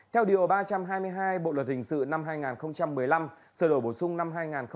theo điều ba trăm hai mươi hai bộ luật hình sự năm hai nghìn một mươi năm sở đổi bổ sung năm hai nghìn một mươi bảy